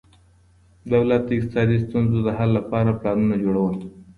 دولت د اقتصادي ستونزو د حل لپاره پلانونه جوړول.